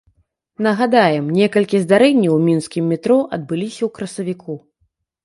Нагадаем, некалькі здарэнняў у мінскім метро адбыліся ў красавіку.